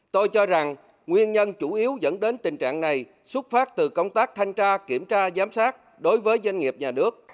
tôi cho rằng nguyên nhân chủ yếu dẫn đến tình trạng này xuất phát từ công tác thanh tra kiểm tra giám sát đối với doanh nghiệp nhà nước